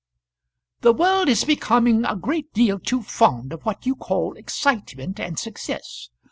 "The world is becoming a great deal too fond of what you call excitement and success.